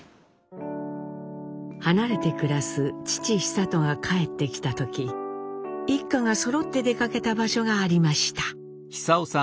離れて暮らす父久渡が帰ってきた時一家がそろって出かけた場所がありました。